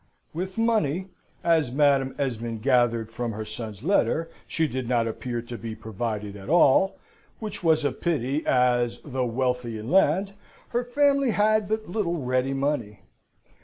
With money, as Madam Esmond gathered from her son's letter, she did not appear to be provided at all, which was a pity, as, though wealthy in land, their family had but little ready money.